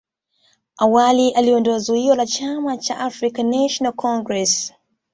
awali aliondoa zuio la chama cha African national Congress